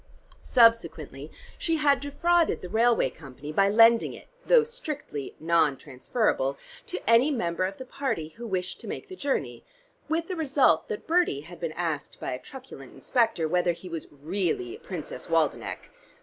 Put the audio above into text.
Subsequently she had defrauded the railway company by lending it, though strictly non transferable, to any member of the party who wished to make the journey, with the result that Bertie had been asked by a truculent inspector whether he was really Princess Waldenech.